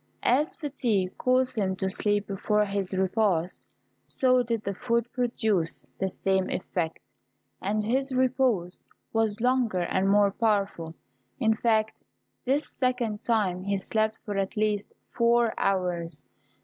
As fatigue caused him to sleep before his repast, so did the food produce the same effect, and his repose was longer and more powerful; in fact, this second time he slept for at least four hours.